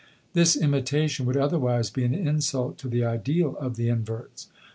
This imitation would otherwise be an insult to the ideal of the inverts.